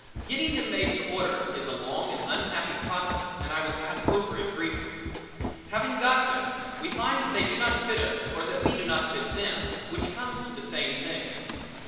Getting them made to order is a long and unhappy process and I will pass over it briefly. Having got them, we find that they do not fit us or that we do not fit them, which comes to the same thing.